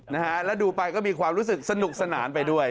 นะฮะแล้วดูไปก็มีความรู้สึกสนุกสนานไปด้วย